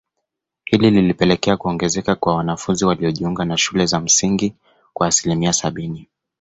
Hili lilipelekea kuongezeka kwa wanafunzi waliojiunga na shule za msingi kwa asilimia sabini